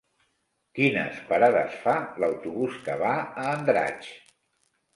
Quines parades fa l'autobús que va a Andratx?